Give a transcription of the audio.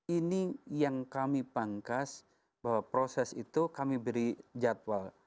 ini yang kami pangkas bahwa proses itu kami beri jadwal